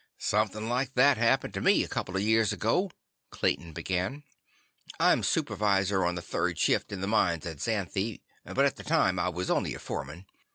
"Something like that happened to me a couple of years ago," Clayton began. "I'm supervisor on the third shift in the mines at Xanthe, but at the time, I was only a foreman.